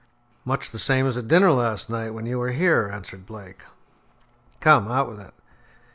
"Much the same as at dinner last night, when you were here," answered Blake. "Come, out with it."